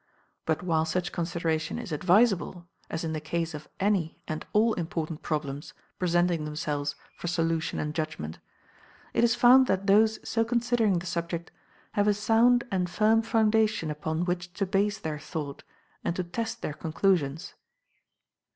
But while such consideration is advisable, as in the case of any and all important problems presenting themselves for solution and judgment, it is found that those so considering the subject have a sound and firm foundation upon which to base their thought and to test their conclusions.